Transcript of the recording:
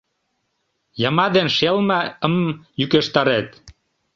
«Йыма» ден «шелма»-м йӱкештарет.